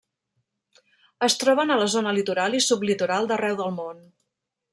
Es troben a la zona litoral i sublitoral d'arreu del món.